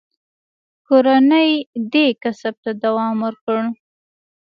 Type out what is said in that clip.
کورنۍ دې کسب ته دوام ورکړ.